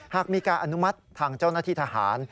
หากมีการอนุมัติทางเจ้าหน้าที่ทหาร